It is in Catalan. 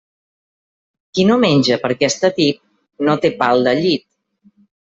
Qui no menja perquè està tip, no té pal de llit.